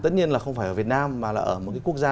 tất nhiên là không phải ở việt nam mà là ở một cái quốc gia